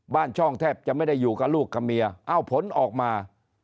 ช่องแทบจะไม่ได้อยู่กับลูกกับเมียเอ้าผลออกมา